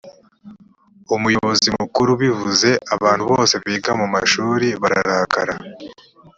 umuyobozi makuru bivuze abantu bose biga mu mashuri bararakara